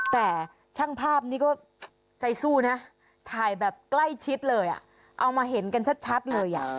แต่ช่างภาพนี้ก็ใจสู้นะถ่ายแบบใกล้ชิดเลยเอามาเห็นกันชัดเลย